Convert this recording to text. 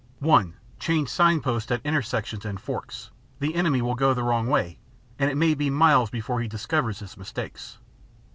(1) Change sign posts at intersections and forks; the enemy will go the wrong way and it may be miles before he discovers his mistakes.